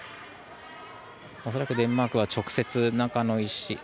恐らくデンマークは直接中の石。